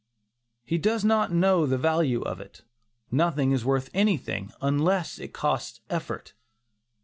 He does not know the value of it; nothing is worth anything, unless it costs effort.